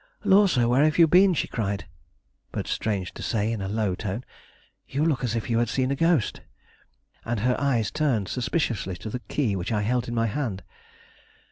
"Lor, sir, where have you been?" she cried, but strange to say, in a low tone. "You look as if you had seen a ghost." And her eyes turned suspiciously to the key which I held in my hand.